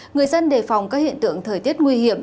người dân đề phòng các hiện tượng thời tiết nguy hiểm